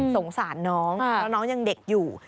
สงสารน้องเพราะน้องยังเด็กอยู่